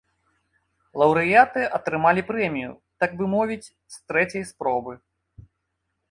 Лаўрэаты атрымалі прэмію, так бы мовіць, з трэцяй спробы.